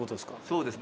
そうです。